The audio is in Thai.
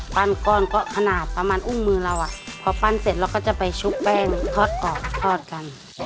ก้อนก็ขนาดประมาณอุ้มมือเราอ่ะพอปั้นเสร็จเราก็จะไปชุบแป้งทอดกรอบทอดกัน